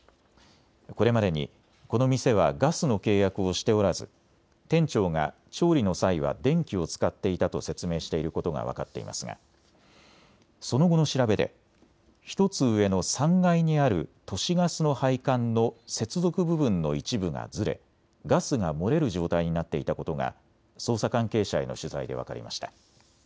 これまでに、この店はガスの契約をしておらず店長が調理の際は電気を使っていたと説明していることが分かっていますがその後の調べで１つ上の３階にある都市ガスの配管の接続部分の一部がずれ、ガスが漏れる状態になっていたことが捜査関係者への取材で分かりました。